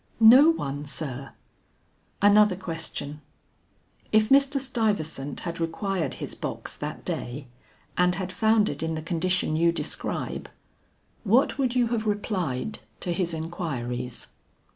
"No one, sir." "Another question; if Mr. Stuyvesant had required his box that day and had found it in the condition you describe, what would you have replied to his inquiries?"